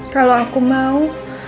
kalau aku mau